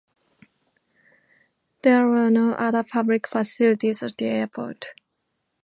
There are no other public facilities at the airport.